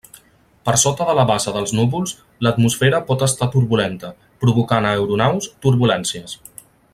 Per sota de la base dels núvols, l'atmosfera pot estar turbulenta, provocant a aeronaus, turbulències.